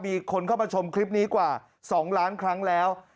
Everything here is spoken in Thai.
มีคนเข้ามาชมคลิปนี้กว่า๒ล้านครั้งแล้ว